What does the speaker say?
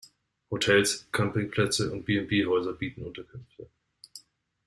Hotels, Campingplätze und B&B-Häuser bieten Unterkünfte.